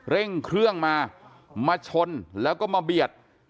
เร่งเครื่องมามาชนแล้วก็มาเบียด